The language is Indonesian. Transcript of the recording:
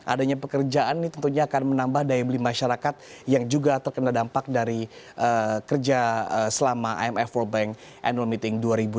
adanya pekerjaan ini tentunya akan menambah daya beli masyarakat yang juga terkena dampak dari kerja selama imf world bank annual meeting dua ribu delapan belas